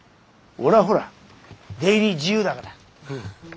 俺はほら出入り自由だから。